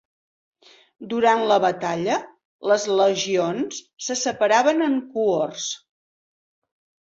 Durant la batalla, les legions se separaven en cohorts.